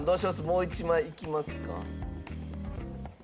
もう１枚いきますか？